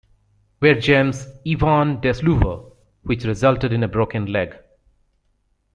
Waregem's Ivan Desloover, which resulted in a broken leg.